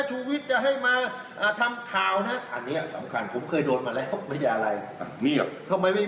ชุวิตจะให้มาทำข่าวนะอันนี้สำคัญผมเคยโดนมาแล้วไม่ใช่อะไร